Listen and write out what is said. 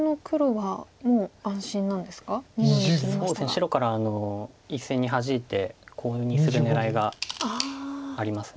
白から１線にハジいてコウにする狙いがあります。